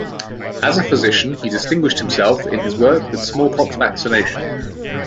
As a physician he distinguished himself in his work with smallpox vaccinations.